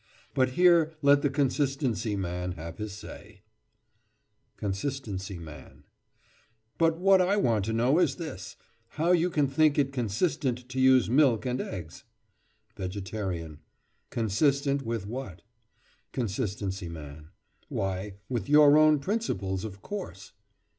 But here let the consistency man have his say: CONSISTENCY MAN: But what I want to know is this—how you can think it consistent to use milk and eggs? VEGETARIAN: Consistent with what? CONSISTENCY MAN: Why, with your own principles, of course.